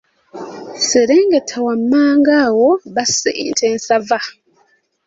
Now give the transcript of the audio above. Serengeta wammanga awo basse ente ensava.